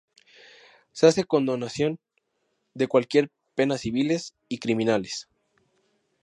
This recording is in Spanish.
Se hace condonación de cualquier penas civiles y criminales.